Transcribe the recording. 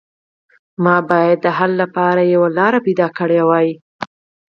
ما باید د حل لپاره یوه لاره موندلې وای